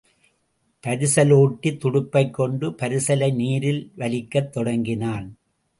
பரிசலோட்டி துடுப்பைக்கொண்டு பரிசலை நீரில் வலிக்கத் தொடங்கினான்.